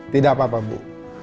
tidak apa apa bu